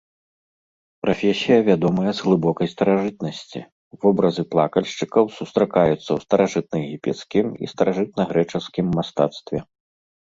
Прафесія вядомая з глыбокай старажытнасці, вобразы плакальшчыкаў сустракаюцца ў старажытнаегіпецкім і старажытнагрэчаскім мастацтве.